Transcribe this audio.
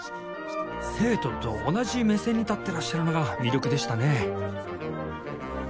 生徒と同じ目線に立っていらっしゃるのが魅力でしたね